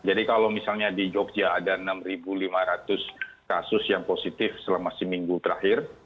jadi kalau misalnya di jogja ada enam lima ratus kasus yang positif selama seminggu terakhir